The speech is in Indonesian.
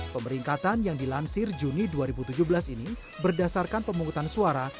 pemeringkatan yang dilansir juni dua ribu tujuh belas ini berdasarkan pemungutan suara